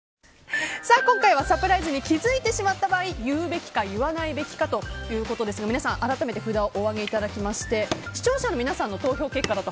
今回はサプライズに気づいてしまった場合言うべきか言わないべきかということですが皆さん、改めて札をお上げいただきまして視聴者の皆さんの投票結果だと